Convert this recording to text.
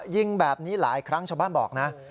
ยิงแบบนี้หลายครั้งชาวบ้านบอกนะ